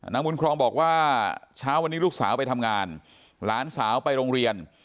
นางบุญครองบอกว่าเช้าวันนี้ลูกสาวไปทำงานหลานสาวไปโรงเรียน